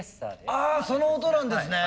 あその音なんですね。